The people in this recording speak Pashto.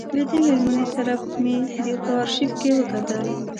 له دې مېرمنې سره مې په آرشیف کې وکتل.